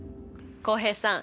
浩平さん。